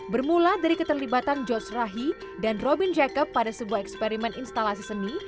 bermula dari keterlibatan george rahi dan robin jacob pada sebuah eksperimen instalasi seni